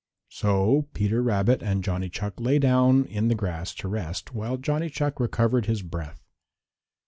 So Peter Rabbit and Johnny Chuck lay down in the grass to rest while Johnny Chuck recovered his breath.